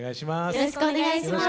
よろしくお願いします。